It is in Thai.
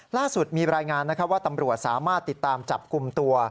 ล่าสุดมีรายงานนะครับว่าตำรวจสามารถติดตามจับกลุ่มตัว